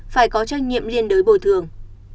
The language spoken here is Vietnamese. phải có trách nhiệm liên đối bồi thường